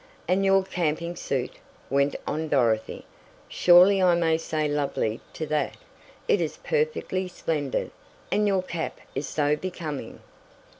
"And your camping suit," went on Dorothy. "Surely I may say lovely to that. It is perfectly splendid, and your cap is so becoming!"